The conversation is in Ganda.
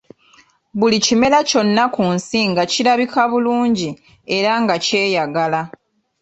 Buli kimera kyonna ku nsi nga kirabika bulungi era nga kyeyagala.